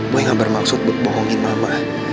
boy nggak bermaksud buat bohongin mama